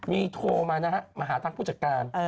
มีโทรมานะฮะมาหาทางผู้จัดการ